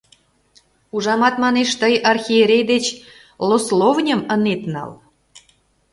Ужамат, — манеш, — тый архиерей деч «лословньым» ынет нал!